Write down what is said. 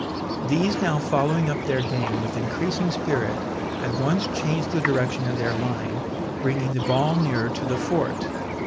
These now following up their game with increasing spirit, at once changed the direction of their line, bringing the ball nearer to the fort.